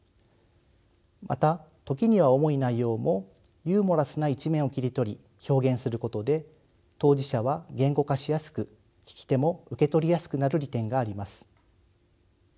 また時には重い内容もユーモラスな一面を切り取り表現することで当事者は言語化しやすく聞き手も受け取りやすくなる利点があります。